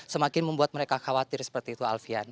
semakin membuat mereka khawatir seperti itu alfian